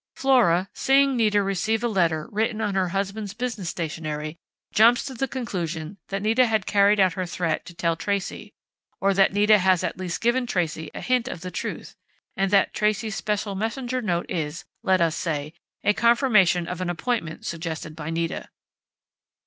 "Flora, seeing Nita receive a letter written on her husband's business stationery, jumps to the conclusion that Nita had carried out her threat to tell Tracey, or that Nita has at least given Tracey a hint of the truth and that Tracey's special messenger note is, let us say, a confirmation of an appointment suggested by Nita....